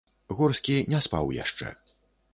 Горскі не спаў яшчэ.